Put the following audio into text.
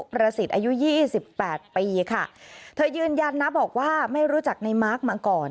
ประสิทธิ์อายุยี่สิบแปดปีค่ะเธอยืนยันนะบอกว่าไม่รู้จักในมาร์คมาก่อน